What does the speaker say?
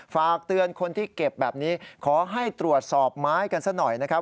ฝากเตือนคนที่เก็บแบบนี้ขอให้ตรวจสอบไม้กันซะหน่อยนะครับ